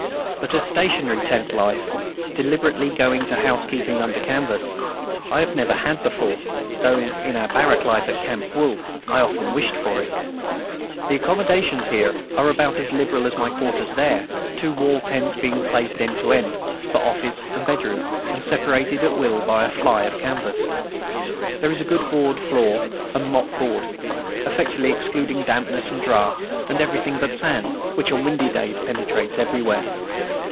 But a stationary tent life, deliberately going to housekeeping under canvas, I have never had before, though in our barrack life at "Camp Wool" I often wished for it. The accommodations here are about as liberal as my quarters there, two wall tents being placed end to end, for office and bedroom, and separated at will by a "fly" of canvas. There is a good board floor and mop board, effectually excluding dampness and draughts, and everything but sand, which on windy days penetrates everywhere.